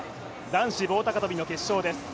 男子棒高跳の決勝です。